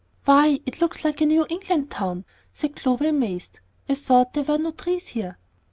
"Why, it looks like a New England town," said Clover, amazed; "I thought there were no trees here."